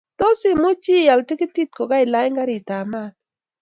Tos, imuchi ial tikitit kokailany gariitab maat?